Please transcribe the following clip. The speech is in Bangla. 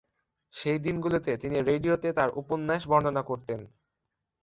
সেই দিনগুলিতে তিনি রেডিওতে তাঁর উপন্যাস বর্ণনা করতেন।